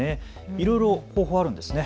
いろいろ方法、あるんですね。